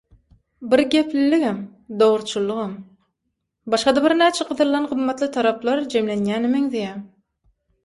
bir gepliligem, dogruçyllygam… başga-da birnäçe gyzyldan gymmatly taraplar jemlenýäne meňzeýär.